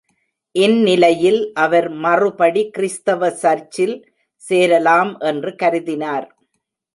இந்நிலையில் அவர் மறுபடி கிறிஸ்தவ சர்ச்சில் சேரலாம் என்று கருதினார்.